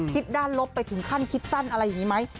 คิดด้านลบไปถึงขั้นคิดสั้นอะไรอย่างนี้ไหม